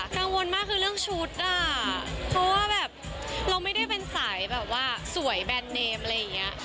กังวลมากคือเรื่องชุดอ่ะเพราะว่าแบบเราไม่ได้เป็นสายแบบว่าสวยแบรนดเนมอะไรอย่างนี้